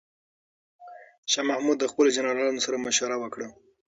شاه محمود د خپلو جنرالانو سره مشوره وکړه.